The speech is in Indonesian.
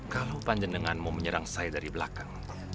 kalau panjangan mau menyerang saya dari belakang